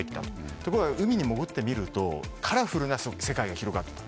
ところが海に潜ってみるとカラフルな世界が広がっていた。